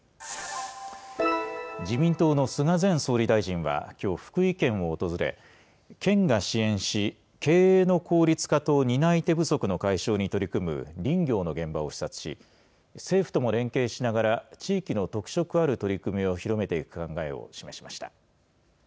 自民党の菅前総理大臣は、きょう福井県を訪れ、県が支援し、経営の効率化と担い手不足の解消に取り組む林業の現場を視察し、政府とも連携しながら、地域の特色ある取り組みを広めていく考えを示しました。